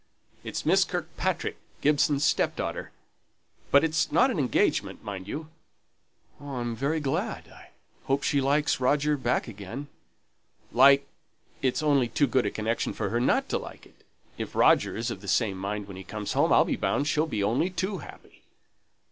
It's Miss Kirkpatrick, Gibson's stepdaughter. But it's not an engagement, mind you " "I'm very glad I hope she likes Roger back again " "Like it's only too good a connection for her not to like it: if Roger is of the same mind when he comes home, I'll be bound she'll be only too happy!"